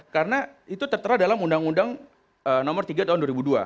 karena itu tertera dalam undang undang nomor tiga tahun dua ribu dua